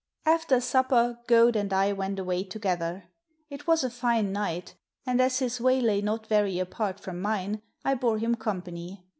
After supper Goad and I went away together. It was a fine night, and, as his way lay not very apart from mine, I bore him company.